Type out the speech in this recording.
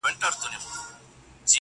د قصاب له سترګو بلي خواته ګوره.!